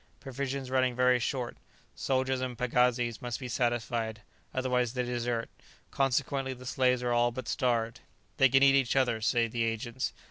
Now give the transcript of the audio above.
Provisions running very short; soldiers and pagazis must be satisfied, otherwise they desert; consequently the slaves are all but starved. "They can eat each other," say the agents.